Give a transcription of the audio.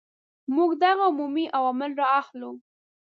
موږ دغه عمومي عوامل را اخلو.